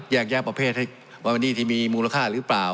แยกปะเภทไว้วันนี้มีมูลค่าหรือเปล่า